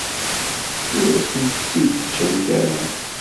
Ur asent-tt-id-ǧǧant ara.